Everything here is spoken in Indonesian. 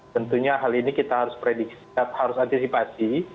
tentunya hal ini kita harus prediksi harus antisipasi